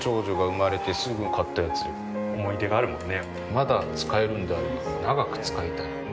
まだ使えるんであれば長く使いたい。